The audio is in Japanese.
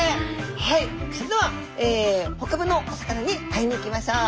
はいそれでは北部のお魚に会いに行きましょう！